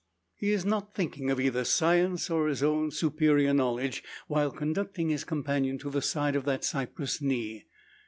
He is not thinking of either science, or his own superior knowledge, while conducting his companion to the side of that "cypress knee."